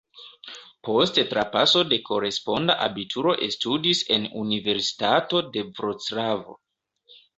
Post trapaso de koresponda abituro ekstudis en Universitato de Vroclavo.